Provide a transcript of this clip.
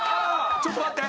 ちょっと待って。